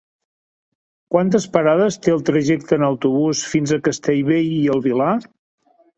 Quantes parades té el trajecte en autobús fins a Castellbell i el Vilar?